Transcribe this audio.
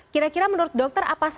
kira kira menurut dokter apa sih